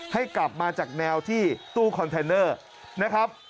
ให้กลับมาจากแนวที่ตู้คอนเทนเนอร์นะครับ